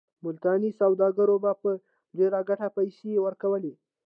ملتاني سوداګرو به په ډېره ګټه پیسې ورکولې.